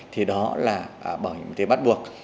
thì đó là bảo hiểm y tế bắt buộc